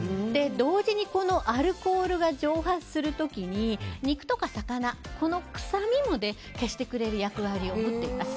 同時にアルコールが蒸発する時に肉とか魚、この臭みも消してくれる役割を持っています。